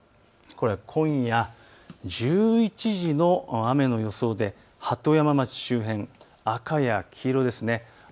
今夜１１時の雨の予想で鳩山町周辺、赤や黄色です。